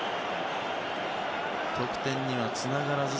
得点にはつながらず。